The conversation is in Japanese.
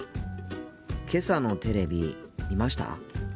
けさのテレビ見ました？